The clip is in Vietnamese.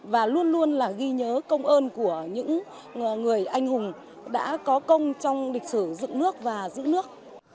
và luôn luôn là ghi nhớ công ơn của những người anh hùng đã có công trong lịch sử dựng nước và giữ nước